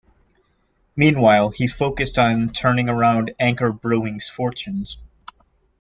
Meanwhile, he focused on turning around Anchor Brewing's fortunes.